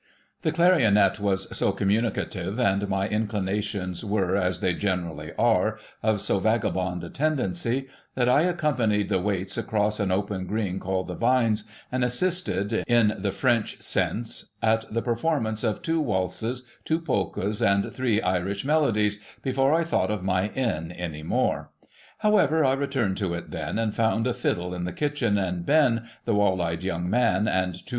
The clarionet was so communicative, and my inclinations were (as they generally are) of so vagabond a tendency, that I accom panied the ^Vaits across an open green called the Vines, and assisted — in the French sense — at the performance of two waltzes, two polkas, and three Irish melodies, before I thought of my inn any more. However, I returned to it then, and found a fiddle in the kitchen, and Ben, the wall eyed young man, and two.